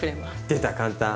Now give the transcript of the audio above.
出た簡単。